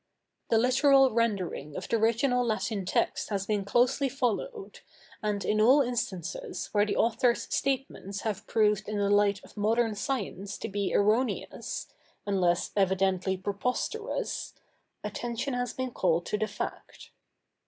The literal rendering of the original Latin text has been closely followed, and in all instances where the author's statements have proved in the light of modern science to be erroneous (unless evidently preposterous) attention has been called to the fact.